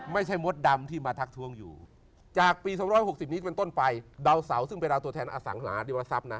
มดดำที่มาทักทวงอยู่จากปี๒๖๐นี้เป็นต้นไปดาวเสาซึ่งเป็นดาวตัวแทนอสังหาริวทรัพย์นะ